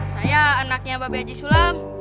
saya anaknya mbak beji sulam